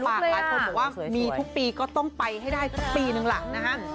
หลายคนบอกว่ามีทุกปีก็ต้องไปให้ได้สักปีหนึ่งหลังนะฮะ